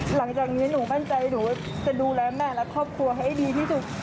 หลังจากนี้หนูมั่นใจหนูจะดูแลแม่และครอบครัวให้ดีที่สุด